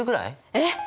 えっ！